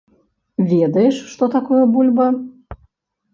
Ведаеш, што такое бульба?